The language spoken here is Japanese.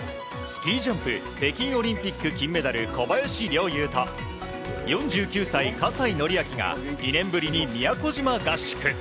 スキージャンプ北京オリンピック金メダル、小林陵侑と４９歳、葛西紀明が２年ぶりに宮古島合宿。